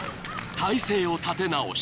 ［体勢を立て直し］